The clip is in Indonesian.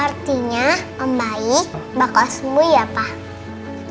artinya membaik bakal sembuh ya pak